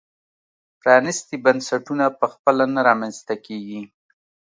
پرانیستي بنسټونه په خپله نه رامنځته کېږي.